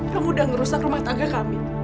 kamu udah ngerusak rumah tangga kami